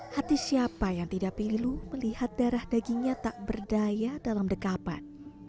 hati siapa yang tidak pilu melihat darah dagingnya tak berdaya dalam dekapan